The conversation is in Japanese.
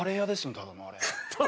ただのあれ。